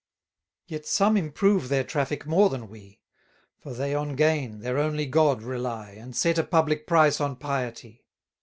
Yet some improve their traffic more than we; For they on gain, their only god, rely, And set a public price on piety.